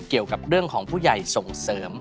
เกี่ยวกับเรื่องของผู้ใหญ่ส่งเสริม